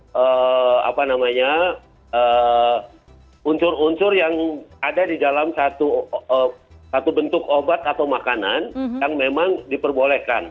hmm apa namanya hmm unsur unsur yang ada di dalam satu bentuk obat atau makanan yang memang diperbolehkan